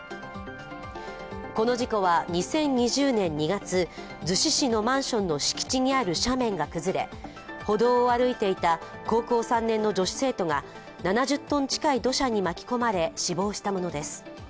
この事故は２０２０年２月、逗子市のマンションの敷地にある斜面が崩れ歩道を歩いていた高校３年の女子生徒が７０ｔ近い土砂に巻き込まれ死亡したものです。